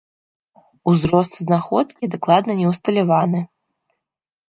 Узрост знаходкі дакладна не ўсталяваны.